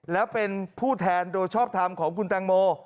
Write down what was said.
แล้วเป็นผู้แทนโดยชอบทำของคุณแตงโม